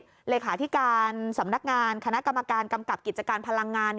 เลขาธิการสำนักงานคณะกรรมการกำกับกิจการพลังงาน